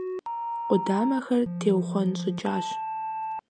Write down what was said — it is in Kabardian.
Къудамэхэр теухъуэнщӀыкӀащ.